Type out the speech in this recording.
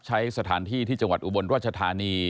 ใช้สถานที่ที่จังหวัดอุบลราชธานี